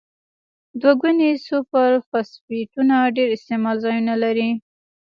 دوه ګونې سوپر فاسفیټونه ډیر استعمال ځایونه لري.